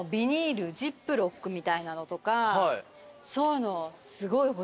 ジップロックみたいなのとかそういうのすごい欲しい。